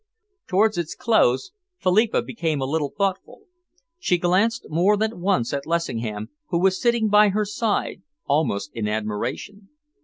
Towards its close, Philippa became a little thoughtful. She glanced more than once at Lessingham, who was sitting by her side, almost in admiration.